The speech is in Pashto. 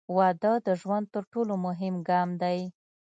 • واده د ژوند تر ټولو مهم ګام دی.